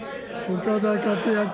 岡田克也君。